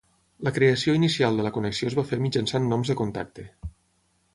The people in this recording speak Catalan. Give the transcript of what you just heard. La creació inicial de la connexió es va fer mitjançant noms de contacte.